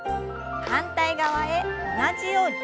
反対側へ同じように。